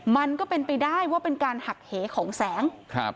มันก็เป็นไปได้ว่าเป็นการหักเหของแสง